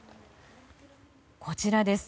こちらです。